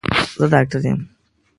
زه ډاکټر یم